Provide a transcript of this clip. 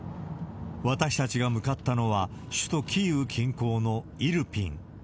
私たちが向かったのは、首都キーウ近郊のイルピン。